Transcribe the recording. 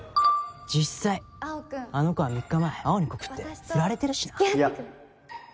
実際あの子は３日前青に告ってフラれてるしな。